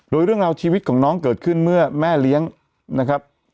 โดยเรื่องราวชีวิตของน้องเกิดขึ้นเมื่อแม่เลี้ยงนะครับ